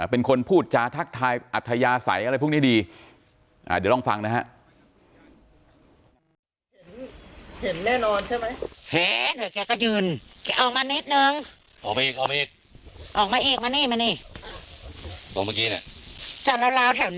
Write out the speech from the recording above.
เป็นคนพูดจาทักทายอัธยาศัยอะไรพวกนี้ดีเดี๋ยวลองฟังนะฮะ